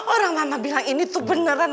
orang mama bilang ini tuh beneran